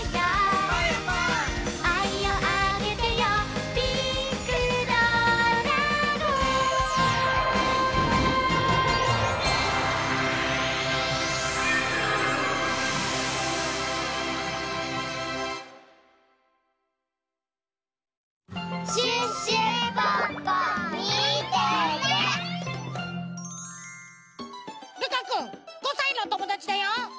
かくん５さいのおともだちだよ。